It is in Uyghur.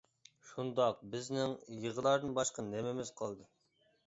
شۇنداق بىزنىڭ يىغىلاردىن باشقا نېمىمىز قالدى.